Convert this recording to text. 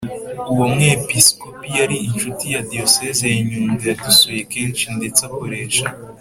uwo mwepiskopi yari inshuti ya diyosezi ya nyundo yadusuye kenshi, ndetse akoresha